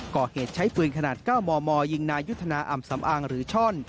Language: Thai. ก่อเหตุใช้ปืนขนาด๙มมยิงนายุทธนาอำสำอางหรือช่อน